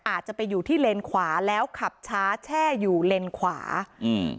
อาจจะไปอยู่ที่เลนขวาแล้วขับช้าแช่อยู่เลนขวาอืม